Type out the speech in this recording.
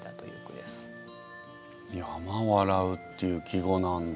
「山笑う」っていう季語なんだ。